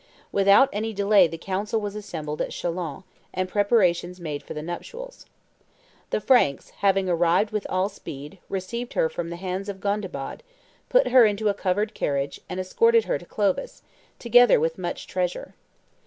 Without any delay the council was assembled at Chalons, and preparations made for the nuptials. The Franks, having arrived with all speed, received her from the hands of Gondebaud, put her into a covered carriage, and escorted her to Clovis, together with much treasure.